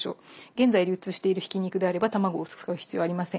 現在流通しているひき肉であれば卵を使う必要はありません。